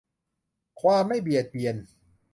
ความไม่เบียดเบียน